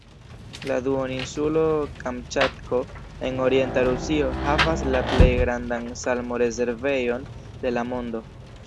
La duoninsulo Kamĉatko en orienta Rusio havas la plej grandan salmo-rezervejon de la mondo.